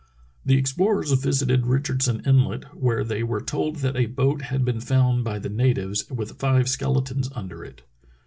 The explorers visited Richardson Inlet, where they were told that a boat had been found by the natives with five skeletons under it.